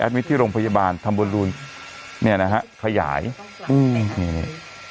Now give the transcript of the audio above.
มิตรที่โรงพยาบาลธรรมบรูนเนี่ยนะฮะขยายอืมนี่